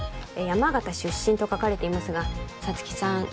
山形出身と書かれていますが沙月さん